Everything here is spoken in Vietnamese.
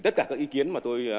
tất cả các ý kiến mà tôi